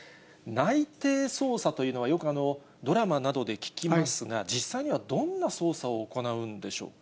内偵捜査というのは、よくドラマなどで聞きますが、実際にはどんな捜査を行うんでしょうか。